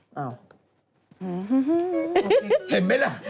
เห็นไหมล่ะ